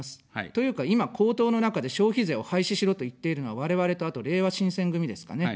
というか今、公党の中で消費税を廃止しろと言っているのは我々と、あと、れいわ新選組ですかね。